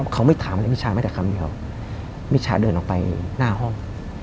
เขาไม่ถามอะไรมิชาแม้แต่คำเดียวมิชาเดินออกไปหน้าห้อง